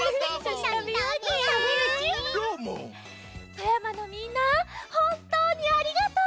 富山のみんなほんとうにありがとう！